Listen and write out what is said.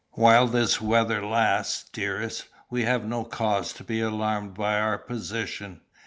While this weather lasts, dearest, we have no cause to be alarmed by our position.